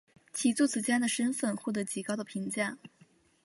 其作词家的身份获得极高的评价。